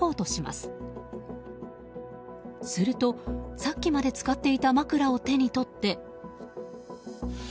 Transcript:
すると、さっきまで使っていた枕を手に取って。